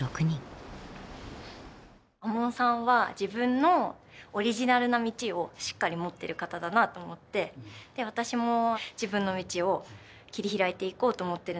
亞門さんは自分のオリジナルな道をしっかり持ってる方だなと思って私も自分の道を切り開いていこうと思ってるので。